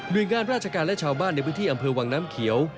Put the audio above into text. โดยงานราชการและชาวบ้านในพื้นที่อำเภอวังน้ำเขียว